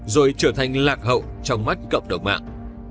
rồi trở thành lạc hậu trong mắt cộng đồng mạng